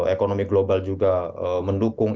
ekonomi global juga mendukung